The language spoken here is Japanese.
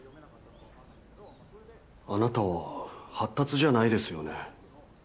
あなたは発達じゃないですよね。